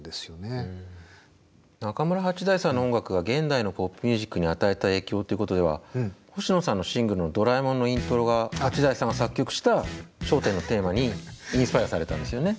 中村八大さんの音楽が現代のポップミュージックに与えた影響っていうことでは星野さんのシングルの「ドラえもん」のイントロが八大さんが作曲した「笑点のテーマ」にインスパイアされたんですよね。